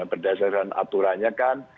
berdasarkan aturannya kan